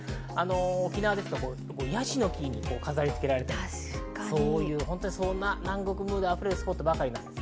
沖縄ですから、ヤシの木が飾り付けられたりそんな南国ムードあふれるスポットばかりです。